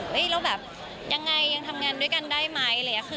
แล้วแบบอย่างไรยังทำงานด้วยกันได้ไหม